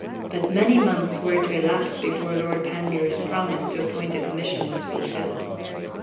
But many months were to elapse before Lord Panmure's promise to appoint a Commission was fulfilled.